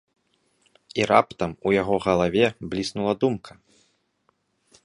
І раптам у яго галаве бліснула думка.